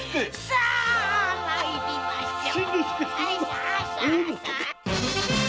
さあ参りましょう！